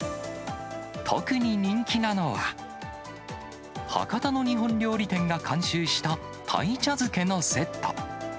特に人気なのは、博多の日本料理店が監修したタイ茶漬けのセット。